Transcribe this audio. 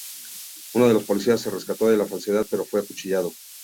Uno de los policías se percató de la falsedad pero fue acuchillado.